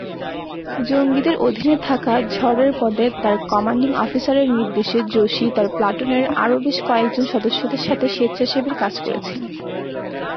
জঙ্গিদের অধীনে থাকা ঝড়ের পদে তাঁর কমান্ডিং অফিসারের নির্দেশে জোশী তার প্লাটুনের আরও বেশ কয়েকজন সদস্যের সাথে স্বেচ্ছাসেবীর কাজ করেছিলেন।